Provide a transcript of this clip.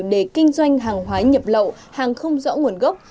để kinh doanh hàng hóa nhập lậu hàng không rõ nguồn gốc